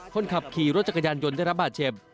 คนขับขี่รถจักรยานยนต์ได้รับบาดเจ็บ